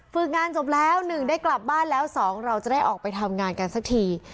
ฝึกงานจบแล้ว๑ได้กลับบ้านแล้ว๒เราจะได้ออกไปทำงานกันสักที